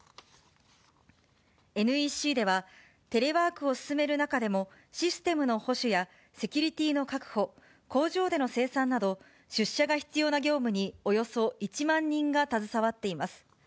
ＮＥＣでは、テレワークを進める中でも、システムの保守や、セキュリティーの確保、工場での生産など、出社が必要な業務におよそ１万人が携わっています。